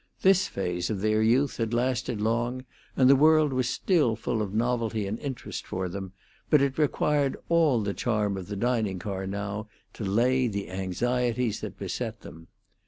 This phase of their youth had lasted long, and the world was still full of novelty and interest for them; but it required all the charm of the dining car now to lay the anxieties that beset them.